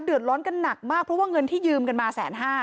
เดือดร้อนกันหนักมากเพราะว่าเงินที่ยืมกันมา๑๕๐๐